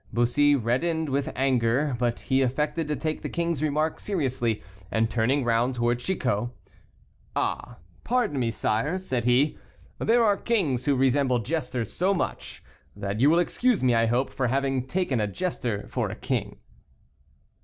Bussy reddened with anger, but he affected to take the king's remark seriously, and turning round towards Chicot: "Ah! pardon, sire," said he, "there are kings who resemble jesters so much, that you will excuse me, I hope, for having taken a jester for a king."